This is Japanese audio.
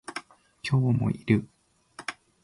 今日もいる